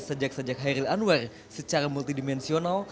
sejak sejak hairil anwar secara multidimensional